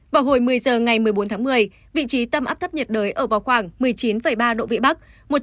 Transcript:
vào hồi một mươi giờ ngày một mươi bốn tháng một mươi vị trí tâm áp thấp nhiệt đới ở vào khoảng một mươi chín ba độ vĩ bắc